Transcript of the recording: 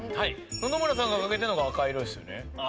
野々村さんがかけてるのが赤い色ですよね。